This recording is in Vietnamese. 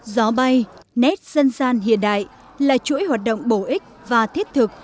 gió bay nét dân gian hiện đại là chuỗi hoạt động bổ ích và thiết thực